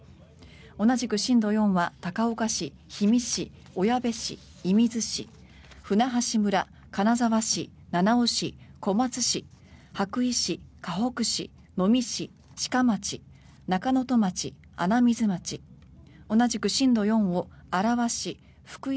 同じく震度４は高岡市、氷見市、小矢部市射水市、舟橋村、金沢市七尾市、小松市、羽咋市かほく市、能美市、志賀町中能登町、穴水町同じく震度４を表し福井